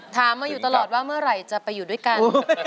ถามมาอยู่ตลอดว่าเมื่อไหร่จะไปอยู่ด้วยกัน